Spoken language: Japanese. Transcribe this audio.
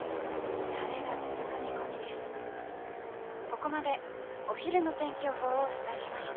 ここまでお昼の天気予報をお伝えしました。